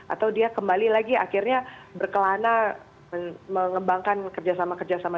atau dia kembali lagi akhirnya berkelana mengembangkan kerjasama kerjasama